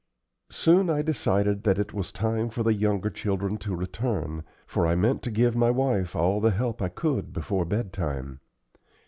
Soon I decided that it was time for the younger children to return, for I meant to give my wife all the help I could before bedtime.